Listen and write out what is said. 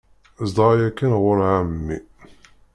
Zedɣeɣ yakan ɣur εemmi.